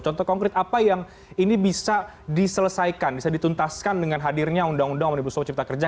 contoh konkret apa yang ini bisa diselesaikan bisa dituntaskan dengan hadirnya undang undang omnibus law cipta kerja